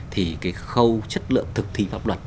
thì cái khâu chất lượng thực thí pháp luật